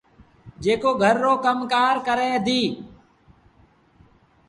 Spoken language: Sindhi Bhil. جيڪو گھر رو ڪم ڪآر ڪري ديٚ۔